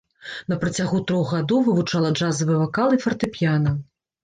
На працягу трох гадоў вывучала джазавы вакал і фартэпіяна.